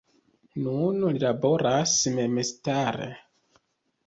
Nun li laboras memstare.